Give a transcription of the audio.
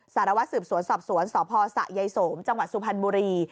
สารวัตรสืบสวนสอบสวนสพสะยายสมจังหวัดสุพรรณบุรี